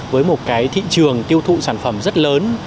với một cái thị trường tiêu thụ sản phẩm rất lớn